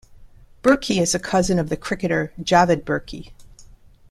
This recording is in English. Burki is a cousin of the cricketer Javed Burki.